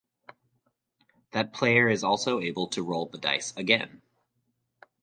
That player is also able to roll the dice again.